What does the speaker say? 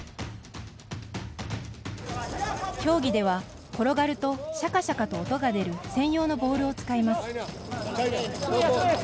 競技では、転がるとシャカシャカと音が出る専用のボールを使います。